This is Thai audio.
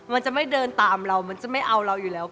มันจะไม่เดินตามเรามันจะไม่เอาเราอยู่แล้ว